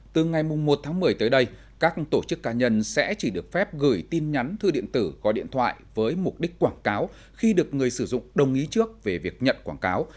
từ ngày một tháng một mươi tới đây các tổ chức cá nhân sẽ chỉ được phép gửi tin nhắn thư điện tử gọi điện thoại với mục đích quảng cáo khi được người sử dụng đồng ý trước về việc nhận quảng cáo